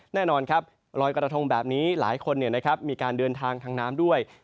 แน่นอนครับลอยกระทงแบบนี้หลายคนมีการเดินทางทางน้ำด้วย